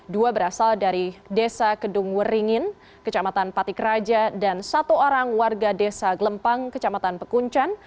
dua berasal dari desa kedung weringin kecamatan patik raja dan satu orang warga desa gelempang kecamatan pekuncan